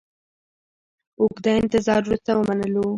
اوږده انتظار وروسته ومنلو.